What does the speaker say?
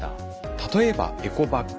例えばエコバッグ。